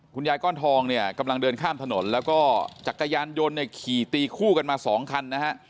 ก้อนทองเนี่ยกำลังเดินข้ามถนนแล้วก็จักรยานยนต์เนี่ยขี่ตีคู่กันมาสองคันนะฮะ